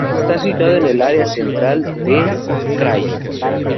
Está situado en el área central del krai.